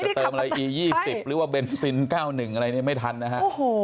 จะเติมอะไรอียี่สิบหรือว่าเบนซินก้าวหนึ่งอะไรเนี่ยไม่ทันนะฮะ